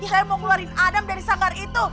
saya mau ngeluarin adam dari sanggar itu